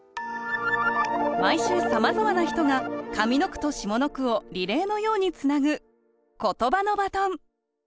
毎週さまざまな人が上の句と下の句をリレーのようにつなぐ「ことばのバトン」